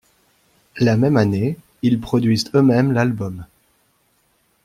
La même année, ils produisent eux-mêmes l’album '.